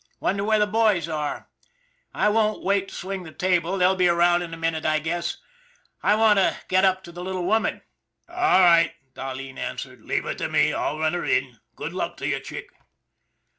Wonder where the boys are. I won't wait to swing the 'table, they'll be around in a minute, I guess. I want to get up to the little woman." " All right," Dahleen answered. " Leave her to me, I'll run her in. Good luck to you, Chick."